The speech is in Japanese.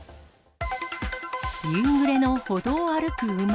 夕暮れの歩道を歩く馬。